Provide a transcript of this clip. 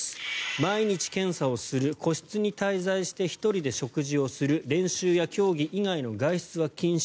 毎日検査をする個室に滞在して１人で食事をする練習や競技以外の外出は禁止